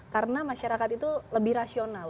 karena masyarakat itu lebih rasional